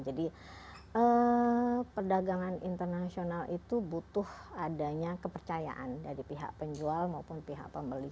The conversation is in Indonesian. jadi perdagangan internasional itu butuh adanya kepercayaan dari pihak penjual maupun pihak pembeli